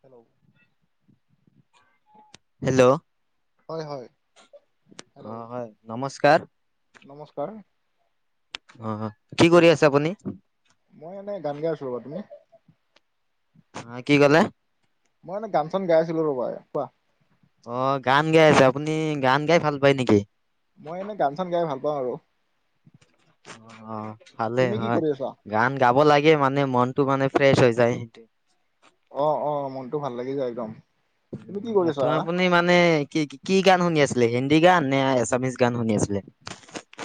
Hello hello হয়, হয় hello অ', হয় নমস্কাৰ। নমস্কাৰ। অ', কি কৰি আছে আপুনি? মই এনে গান গাই আছোঁ ৰবা তুমি? হা কি ক'লে? মই এনে গান চান গাই আছিলোঁ ৰ'বা কোৱা। অ', গান গাই আছে আপুনি গান গাই ভাল পাই নেকি? মই এনে গান চান গাই ভাল পাওঁ আৰু। অ', অ', ভালে তুমি কি হয়। কৰি আছা গান গাব লাগে মানে মনটো মানে ফ্ৰেচ হৈ যায়, সেইটোৱে অ', অ', মনটো ভাল লাগি যায় একদম। তুমি কি কৰিছা ত' আপুনি মানে কি কি? কি গান শুনি আছিলে হিন্দী গান নে এছামিজ গান শুনি আছিলে?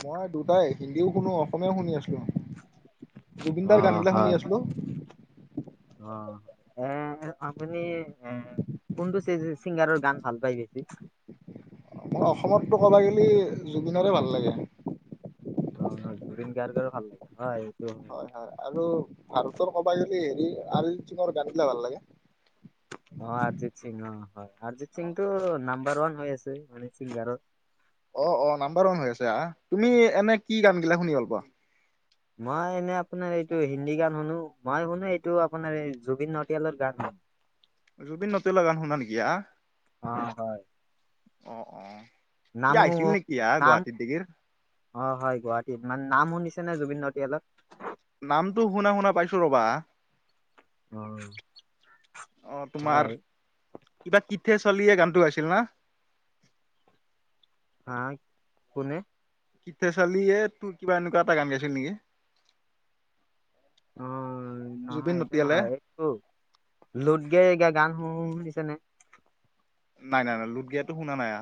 মই দুটাই হিন্দীও শুনো অসমীয়াও শুনি আছিলোঁ। অ', হয়। অ', এ আপুনি এ কোনটো ছিংগাৰৰ গান ভাল পায় বেছি? আপোনাৰ অসমততো ক'বা গেলি জুবিনৰে ভাল লাগে। অ', হয়, জুবিন গাৰ্গৰে ভাল লাগে হয়, এইটো হয় হয়, আৰু ভাৰতৰ কবা গেলি হেৰি অৰিজিৎ সিঙৰ গানবিলাক ভাল লাগে। অ', অৰিজিত সিং অ, হয়, অৰিজিত সিং টো নাম্বাৰ ওৱান হৈ আছে অৰিজিত সিং আৰু অ', অ, নাম্বাৰ ওৱান হৈ আছে আহ তুমি এনে কি গান গিলা শুনি ভাল পোৱা? মই এনে আপোনাৰ এইটো হিন্দী গান শুনো মই শুনো এইটো আপোনাৰ এই জুবিন নটিয়ালৰ গান। জুবিন নটিয়ালৰ গান শুনা নেকি হাঁ, অ হয় অ', অ', নাম ই শু আহিছিল নেকি আহ নাম গুৱাহাটী দিগিৰ? অ', হয় গুৱাহাটীত মানে নাম শুনিছে নে জুবিন নটিয়ালৰ? নামটো শুনা শুনা পাইছো ৰবা। অ অ', হয় তোমাৰ? কিবা কিঠে চলি হে গানটো গাইছিল না? হা কোনে? কিঠে চালিহে টু কিবা এনেকুৱা এটা গান গাইছিল নেকি? অ', জুবিন নহয় এইটো নটিয়ালে নহয় লোত গেই গা গান শু শুনিছে নে? নাই, নাই, নাই লোট গিয়াতো শুনা নাই আ,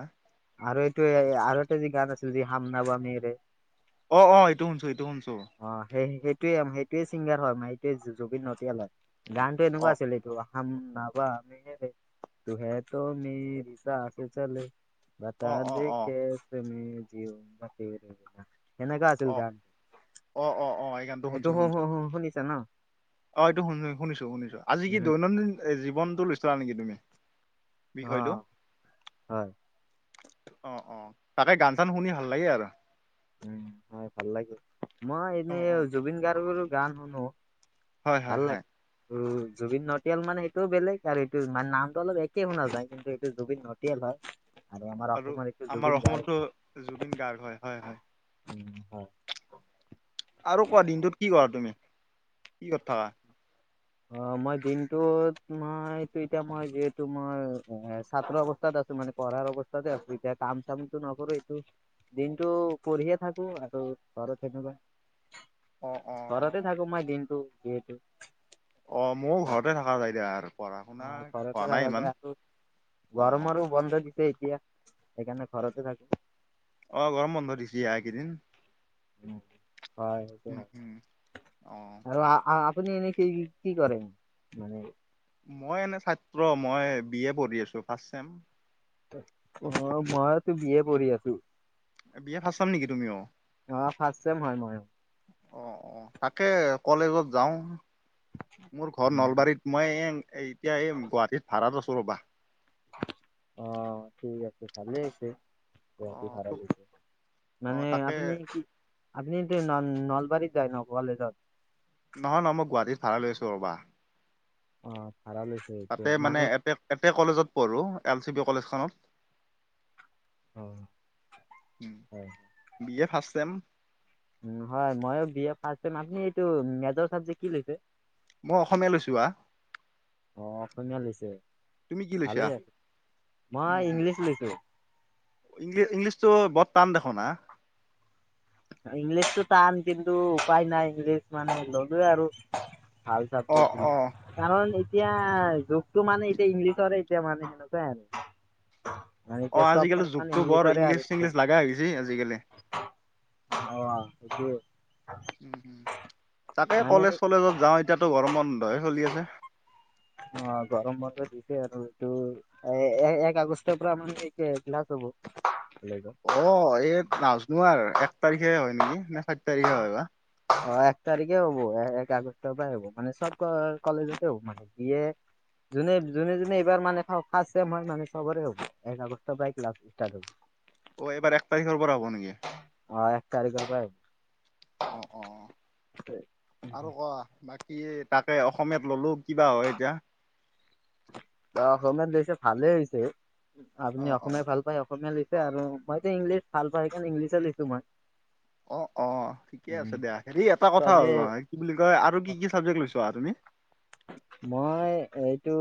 আৰু এইটো আৰু এটা যি গান আছিল যি, হামনাৱা মেৰে অ', অ', এইটো শুনছো এইটো শুনছো। অ', সেই সেইটোৱে সেইটোৱে চিংগাৰ হয়, সেইটোৱে জুবিন নটিয়াল হয়, গানতো অ এনেকুৱা আছিলে এইটো হমনাবা মেৰে তোহে ত' মেৰি চাচ চলে বতা অ অ দে ম' অ কেছে জিও [unintelligible] তুমি জনে কা অ আছিল ত অ', অ, অ, এই গান এইটো হু, হু, হু শুনিছা ন? অ', এইটো শুনো শুনিছো শুনিছো। আজি কি উম দৈনন্দিন জৱনটো লৈচিলা নেকি তুমি অ বিষয়টো? হয় অ' অ তাকে গান চান শুনি ভাল লাগে আৰু। উম হয় ভাল লাগে, মই অ অ এনেই জুবিন গাৰ্গৰো গান শুনো। হয় হয় ভাল লা হয় উম জুবিন নটিয়াল মানে এইটোও বেলেগ আৰু এইটো মানে নামটো অলপ একে শুনা যায়। কিন্তু এইটো জুবিন ন নটিয়াল হয়, আৰু আমাৰ অসমৰ এইটো আমাৰ জুবিন গাৰ্গ। অসমতো জুবিন গাৰ্গ হয়, হয়, হয়। উম, হয়। আৰু কোৱা দিনটোত কি কৰা তুমি কি কৰি থকা? অ' মই দিনটোত মইটো এতিয়া মই যিহেতু মই এ ছাত্ৰ অৱস্থাত আছো। তো মানে পঢ়াৰ অৱস্থাতে আছো, এতিয়া কাম চামতটো নকৰো একো। দিনটো পঢ়িয়ে থাকো, আৰু ঘৰত তেনেকুৱা অ অ ঘৰতে থাকো মই দিনটো যিহেতু অ' ময়ো ঘৰতে থকা যাই দিয়া আৰু। পঢ়া শুনা অ' হোৱা ঘৰতে নাই থাক ইমান যায় আৰু, আৰু অ গৰমৰো বন্ধ দি ছে এতিয়া সেইকাৰণে ঘৰতে থাকো। অ' গৰম বন্ধ দিছে হা এইকেইদিন। হয়। সেইটো উম হয় হুম অ আৰু আপুনি এনেই কি কৰে মানে? মই এনে ছাত্ৰ মই বি এ পঢ়ি আছো। ৰ্ফাষ্ট চেম অ' মইতো বি এ পঢ়ি আছো। বি এ ৰ্ফাষ্ট চেম নেকি তুমিও? অ, ফাৰ্ষ্ট চেম হয় মই। অ' অ' তাকে কলেজত যাওঁ মোৰ ঘৰ নলবাৰীত। মই এই এতিয়া এই গুৱাহাটীত ভাড়াত আছো ৰ'বা। অ' ঠিক আছে ভালে হৈছে। অ গুৱাহাটীত ভাড়া বেছি হৈছে, অ মানে তাকে আপুনি কি আপনিু এতিয়া ন নলবাৰীত যায় ন কলেজত? নহয় নহয়, মই গুৱাহাটীত ভাড়া লৈ আছো ৰ'বা। অ' ভাড়া লৈছে এতিয়া তাতে মানে এপে এতে কলেজত পঢ়ো এল চি বি কলেজখনত। অ' হয়। বি এ ৰ্ফাষ্ট চেম। উম হয় ময়ো বি এ ৰ্ফাষ্ট চেম, আপুনি এইটো মেজৰ চাবেক্ট কি লৈছে? মই অসমীয়া লৈছো হা। অ' অসমীয়া লৈছে তুমি কি লৈছা? ভালেই, মই ইংলিছ লৈছো। ইংলিছ ইংলিছতো বৰ টান দেখোন হা? ইংলিছতো টান কিন্তু উপায় নাই, ইংলিছ মানে ল'লোৱে আৰু। ভাল অ চাব্জেক্ট বুলি। অ'। কাৰণ এতিয়া যুগতটো মানে এতিয়া ইংলিছৰে এতিয়া মানে সেনেকুৱাই আৰু। মানে অ' এতিয়া চব আজিকালি মানে যুগতটো বৰ ইংলিছৰে আৰু। ইংলিছ চিংলিছ লগা হৈ গৈছে আজিকালি। অ' সেইটোৱে। তাকে মানে কলেজ চলেজত যাওঁ, এতিয়াতো গৰম বন্ধহে চলি আছে। অ' গৰম বান্ধ দিছে আৰু। এইটো এক আগষ্ট পৰা মানে কে ক্লাছ হ'ব। কলেজত অ' এই নাজনো আৰু, এক তাৰিখে হয় নেকি নে চাৰি তাৰিখে হয় বা? অ' এক তাৰিখে হ'ব এক আগষ্টৰ পৰা হ'ব মানে চব কলেজতে হ'ব। মানে বি এ যোনে যোনে যোনে এইবাৰ মানে ৰ্ফাষ্ট চেম হয় মানে চবৰে হ'ব। একগষ্টৰ পৰা ক্লাছ ষ্টাৰ্ট হ'ব। অ', এইবাৰ এক তাৰিখৰ পৰা হব নেকি? অ', এক তাৰিখৰ পৰা অ অ আৰু কোৱা বাকী তাকে অসমীয়াত ললো কিবা হয় এতিয়া অসমীয়াত লৈছে ভালেই হৈছে অ আপুনি অ। অসমীয়া ভাল পায় অসমীয়া লৈছে মইতো ইংলিছ ভাল পাই সেইকাৰে ইংলিছে লিছো মই অ', অ', ঠিকে আছে দিয়া হেৰি এটা কথা চবে হ'ল নহ কি বুলি কয় আৰু কি কি চাবজেক্ট লৈছ আহা তুমি মই এইটো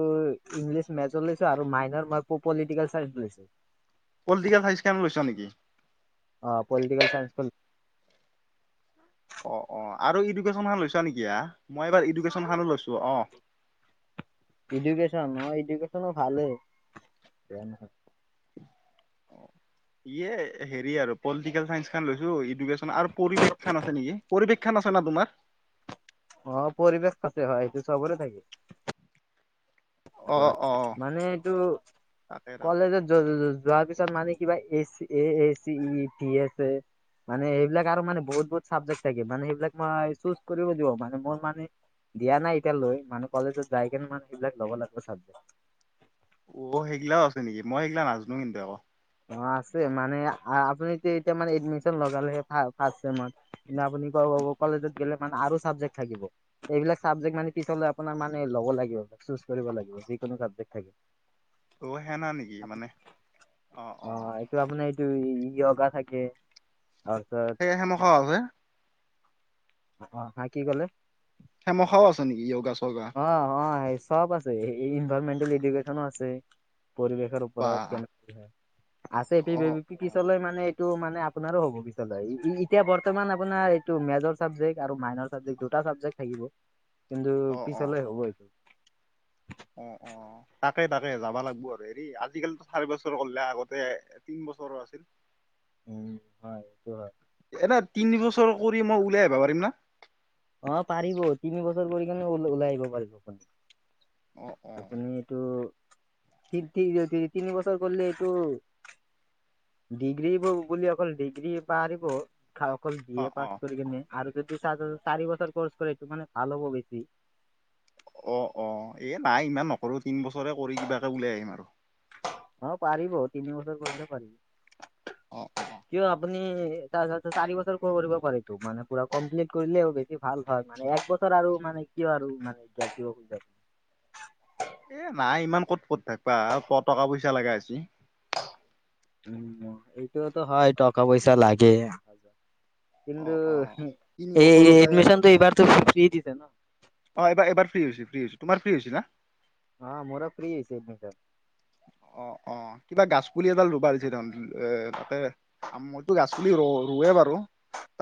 ইংলিছ মেছ লৈছো আৰু মাইনৰ মই প পলিটিকেল চাই লৈছো পলটিকেল ছাইন্চে লৈছ নেকি অ', পলিটিকেল চাইেনছ ক অ', অ', আৰু ইডুকেশ্যন ফান লৈছা নেকি মই এবাৰ ইডুকেশ্যন ফানো লৈছো অ' এডুকেশ্যন এডুকেশ্যনো ভালেই [inaudible] ইয়ে হেৰি আৰু পলিটিকেল চাইন্স খান লৈছো এডুকেশচন আৰু পৰিৱেশ খান আছে নেকি পৰিৱেশক্ষান আছে না তোমাৰ অ', পৰিৱেশ কচ হয় এইটো চবৰে থাকে অ সটো অ মানে এইটো তাকে তাকে কলেজত যোৱাৰ পিছত মানে কিবা এ এ এ চি ই ভি এছে এ মানে সেইবিলাক আৰু মানে বহুত বহুত ছাবজেক্ট থাকে মানে সেইবিলাক মই চুজ কৰিব দিব মানে মোৰ মানে দিয়া নাই এতিয়া লৈ মানে কলেজত যাই কেনে মানে এইবিলাক ল'ব লাগিব চাবজেক্ট অ', সেইগিলাও আছে নেকি মই সেইগিলা নাজানো কিন্তু আকৌ অ', আছে মানে আপুনি এতিয়া মানে এডমিশন লগালেহে ফাৰ্ষ চেমাৰ কি আপুনি কলেজত গেলে মানে আৰু চাবজেক্ট থাকিব। এইবিলাক চাবজেক্ট মানে পিছ আপোনাৰ মানে লব লাগিব চজ কৰিব লাগিব যিকোনো চাবেক থাকে। অ', সেনা নেকি মানে অ', অ' এইটো আপোনাৰ এইটো ই অগা থাকে তাৰপিছত সেই সেমখাও আছে অ', হা কি ক'লে সেমখাও আছে নেকি য়োগা চোগা অ', অ', চব আছে ইনভাৰৰনমেন্টেল এডুকেশ্যনো আছে পৰিৱেশৰ বা ওপৰত কেনে [inaudible] আছে অ অ পিছলৈ মানে এইটো মানে আপোনাৰো হ'ব পিছলৈ এতিয়া বৰ্তমান আপোনাৰ টো মেজৰ চাবজেক্ট আৰু মাইন চাবজেক্ট দুটা চাবজেক্ট থাকিব কিন্তু অ অ পিছলে হ'ব এইটো অ', অ' তাকে তাকে যাবা লাগবো আৰু হেৰি আজিকালি চাৰি বছৰ কৰিলে আগতে তিনি বছৰো আছিল উম হয় সটো হয় এটা তিন বছৰ কৰি মই উলাই আহিবা পাৰিম না অ', পাৰিব তিনি বছৰ কৰি কেনে ওলাই আহিব পাৰিব অ আপুনি অ আপুনিটো তিতি তিনি বছৰ গলে এইটো ডিগ্ৰী বুলি অখন ডিগ্ৰী পাৰিব শিক্ষা অকল B O A O pass কৰি কিনে আৰু যদি চাৰি বছৰ কৰ্চ কৰে এইটো মানে ভাল হ'ব বেছি। অ', অ', এ নাই ইমান নকৰো তিন বছৰে কৰি কিবাকে ওলাই আহিম আৰু অ', পাৰিব তিনি বছৰ কৰিলে পাৰিব। অ', অ', অ' কিয় আপুনি তাৰত চাৰি বছৰ ক কৰিব পাৰে তো মানে পুৰা কমপ্লিট কৰিলেই হবি ভাল হয় মানে এক বছৰ আৰু মানে কিয় আৰু মানে জাতি খুজা এ নাই ইমান ক'ত ক'ত থাকিবা প টকা পইচা লগা আছে উম এইটোওতো হয় টকা পইচা লাগে। অ অ নি তিনি এই বছৰতে এডমিশনটো এই বাৰত ফ্ৰী দিছে ন অ', এবাৰবাৰ ফ্ৰী হৈছে ফ্ৰীছো তোমাৰ ফ্ৰী হৈছে না অ মোৰৰাক ফ্ৰীছেদিছ অ', অ', কিবা গছপুলি এডাল ৰুবা দিছে তহন এ তাতে মইতো গাছ পুলি ৰ ৰুৱে বাৰু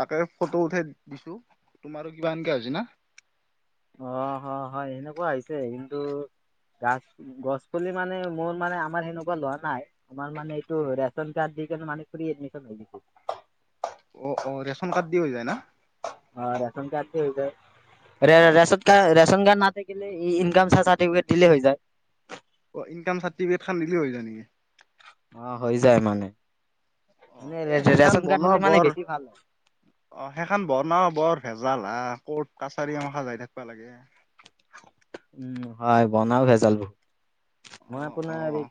তাকে ফটো উঠাই দিছো। তোমাৰ কিবা এনকা হৈছে না অ', অ', হয় সেনেকুৱা হৈছে কিন্তু গছ গছ পুলি মানে মোৰ মানে আমাৰ সেনেকুৱা লোৱা নাই আমাৰ মানে এইটো ৰেচন কাৰ্ড দি কেনে মানে ফ্ৰী এডমিশন হৈ গছে অ', অ', ৰেচন কাৰ্ড দি হৈ যায় না অ', ৰাচন কাৰ্ড যায় অ ৰা অ কাৰ ৰাচন কাৰ্ড ন ইনকাম চাৰটিফিকেট দিলে হৈ যায়। অ', ইনকাম চাৰটিফিকেট খানিলে হৈ যায় নেকি অ', হৈ যায় মানে অ মানে এ সেইখান ৰেচন কাৰ্ড বনোৱা হলে মানে বৰ বেছি ভাল হয় অ', সেইখন বনা বৰ ভেজাল হা কত কাছাৰী আমাৰ সাজাই থাকিবা লাগে। উম হয় বনাও ভেজাল বহুত অ মই অ আপোনাৰ এই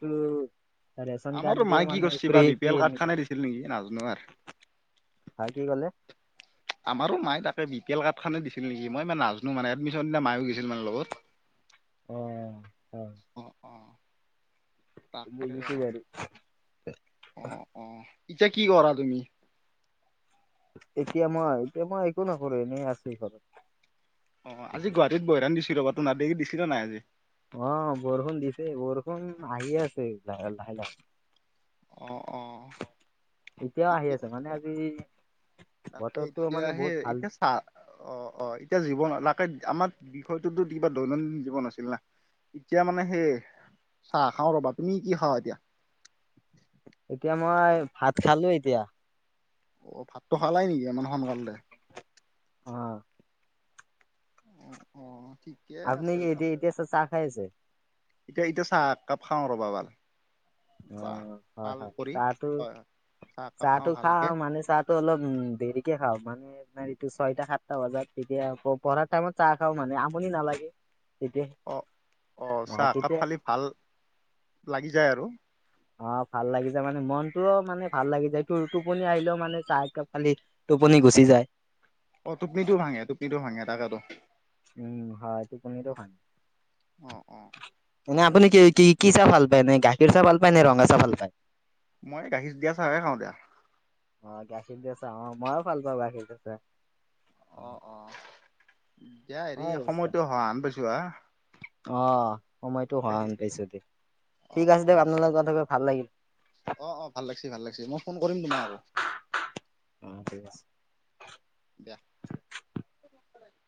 ৰেচন কাৰ্ড আমাৰো মায়ে দিয়ে কি মানে কৰিছে বা free B P L card খানে দিছিল নেকি নাজানো আৰ। এডমিশন হা কি কলে আমাৰো মায় তাকে বি পি এল কাৰ্ডখনে দিছিল নেকি মই মানে নাজানো মানে এডমিশননা মায়ো গৈছিল মানে লগত অ', হয়। অ', অ', তাকে বুজিছো বাৰু অ', অ', ইতিয়া কি কৰা তুমি? এতিয়া মই এতিয়া মই একো নকৰো এনেই আছো ঘৰত। অ', আজি গুৱাহাটত বৈৰাণ দিছিল ৰ বা তোা দে দিছিল নাই আজি অ', বৰষুণ দিছে বৰষুণ আহি আছে লাহ লাহে লাহে অ', অ', এতিয়াও আহি ঠিকে আছে মানে আজি তাকে বতৰটো এতিয়া মানে সে বহুত ভাল। এতিয়া অ', অ', এতিয়া জীৱন লাকে আমাৰ বিষয়টোতো কিবা দৈনন্দিন জীৱন আছিল না এতিয়া মানে সেই চাহ খাও ৰ'বা তুমি কি খাও এতিয়া এতিয়া মই ভাত খালো এতিয়া। অ', ভাতটো খালাই নেকি আ সোনকালতে অ', অহ অহ। ঠিকে আপুনি আছে কি তা এতিয়া এতিয়া চাহ খাই আছে? এতিয়া এতিয়া চাহ একাপ খাওঁ ৰ'বা ভাল। বা অ' হয় ভাল হয়। কৰি চাহটো হয় হয় চাহ একাপ চাহটো খাওঁ ভালকে খাও মানে চাহ টো অলপ উম দেৰিকে খাওঁ। মানে তোমাৰ এইটো ছয়টা সাতটা বজাত তেতিয়া, আকৌ পঢ়া টাইমত চাহ খাও মানে আমনি নালাগে। তেতিয়া অ', অ', চাহ একাপ খালে ভাল লাগি যায় আৰু। অ', ভাল লাগি যায় মানে, মনটোও মানে ভাল লাগি যায়। টো-টোপনি আহিলেও মানে চাহ একাপ খালে টোপনি গুচি যায়। অ', টোপনি ও ভাঙে, টোপনি ও ভাঙে। তাকেইটো। উম হয়। টোপনিটো ভাঙে। অ', অ', অ', মানে আপুনি কি কি কি চাহ ভাল পায়? এনে গাখীৰ চাহ ভাল পায় নে ৰঙা চাহ ভাল পায়? মই গাখীৰ দিয়া চাহেই খাও দিয়া। অ', গাখীৰ দিয়া চাহ। অ', মইও ভাল পাওঁ গাখীৰ দিয়া চাহ। অ', অ', দিয়া হেৰি হয় সময়টো হোৱা হেন পাইছো হা? অ', সময়তো হোৱা হেন পাইছো দিয়ক। অ ঠিক আছে অ দিয়ক, আপোনাৰ লগত কথা কৈ ভাল লাগিল। অ', অ', ভাল লাগিছে ভাল লাগিছে। মই ফোন কৰিম তোমাক আকৌ। উম ঠিক আছে। দিয়া।